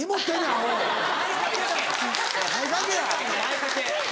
前掛けや。